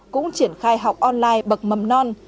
cũng triển khai học online bậc mầm non